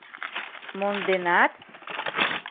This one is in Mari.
Монденат?